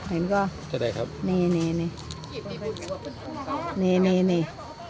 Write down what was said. ไม่เห็นต้องต้องเห็นก็จะได้ครับนี่นี่นี่นี่นี่นี่